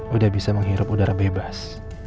udah bisa menghirup udara bebas